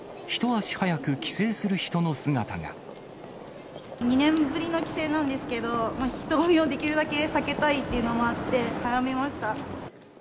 羽田空港では、２年ぶりの帰省なんですけど、人混みをできるだけ避けたいっていうのもあって、早めました。